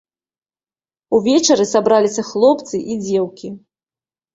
Увечары сабраліся хлопцы і дзеўкі.